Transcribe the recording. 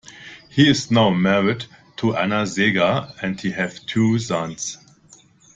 He is now married to Ann Sega and they have two sons.